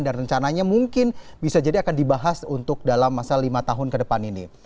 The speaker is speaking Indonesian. dan rencananya mungkin bisa jadi akan dibahas untuk dalam masa lima tahun ke depan ini